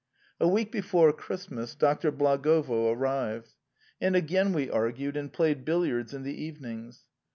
A week before Christmas Doctor Blagovo arrived, and w^e resumed our arguments and played billiards in the evenings.